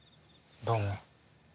どうも。